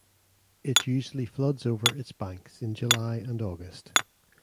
It usually floods over its banks in July and August.